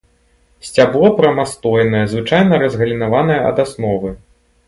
Сцябло прамастойнае, звычайна разгалінаванае ад асновы.